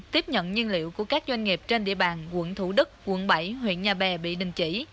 tiếp nhận nhiên liệu của các doanh nghiệp trên địa bàn quận thủ đức quận bảy huyện nhà bè bị đình chỉ